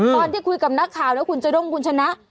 ตอนที่คุยกับนักข่าวนะคุณจด้งคุณชนะ